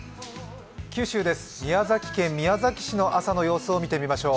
九州です、宮崎県宮崎市の朝の様子を見てみましょう。